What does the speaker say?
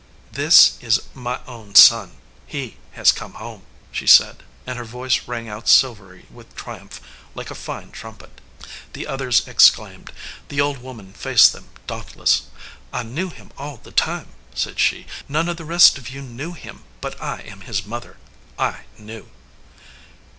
"This is my own son. He has come home," she said, and her voice rang out silvery with triumph, like a fine trumpet. The others exclaimed. The old woman faced them, dauntless. "I knew him all the time," said she. "None of the rest of you knew him but I am his mother. I knew."